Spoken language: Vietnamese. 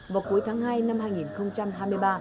vào cuối tháng hai năm hai nghìn hai mươi ba